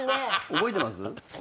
覚えてます？